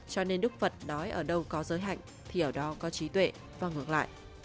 cho nên đức phật đói ở đâu có giới hạnh thì ở đó có trí tuệ và ngược lại